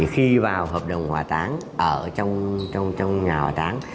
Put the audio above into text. khi vào hợp đồng hỏa táng ở trong nhà hỏa táng